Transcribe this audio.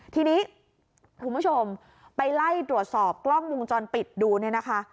ทีนี้คุณผู้ชมไปไล่ตรวจสอบกล้องมุมจอลปิดดูนะคะ